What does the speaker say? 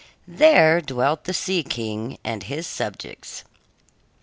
There dwell the Sea King and his subjects.